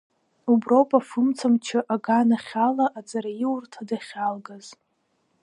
Уброуп афымца мчы аганахь ала аҵараиурҭа дахьалгаз.